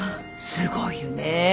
すごいよね。